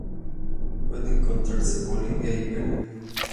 Puede encontrarse en Bolivia y Perú.